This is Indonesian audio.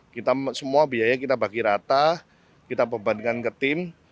kita semua biaya kita bagi rata kita bebankan ke tim